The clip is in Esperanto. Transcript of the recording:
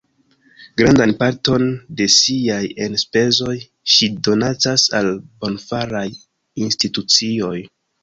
Grandan parton de siaj enspezoj ŝi donacas al bonfaraj institucioj.